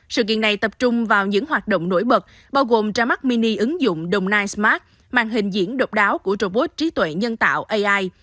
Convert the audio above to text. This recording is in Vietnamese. sự kiện này tập trung vào những hoạt động nổi bật bao gồm ra mắt mini ứng dụng đồng nai smart màn hình diễn độc đáo của robot trí tuệ nhân tạo ai